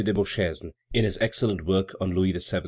de Beauchesne in his excellent work on Louis XVII.